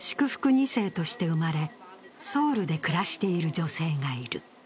２世として生まれ、ソウルで暮らしている女性がいる。